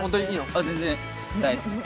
あっ全然大好きです。